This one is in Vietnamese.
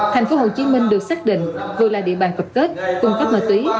thành phố hồ chí minh được xác định vừa là địa bàn tập kết cung cấp ma túy